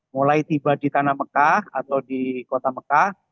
mulai tiba di tanah mekah atau di kota mekah